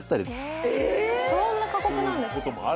そんな過酷なんですか